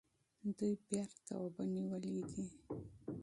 دوی بیرته اوبه نیولې دي.